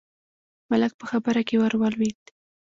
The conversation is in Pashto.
ملک په خبره کې ور ولوېد: